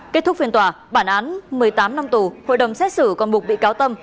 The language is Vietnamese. kết thúc phiên tòa bản án một mươi tám năm tù hội đồng xét xử còn buộc bị cáo tâm